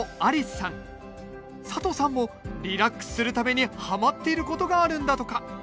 里さんもリラックスするためにハマっていることがあるんだとか。